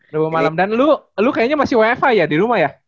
rabu malam dan lu lo kayaknya masih wfh ya di rumah ya